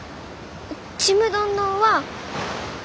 ちむどんどんは。